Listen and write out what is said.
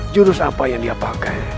jurus apa yang dia pakai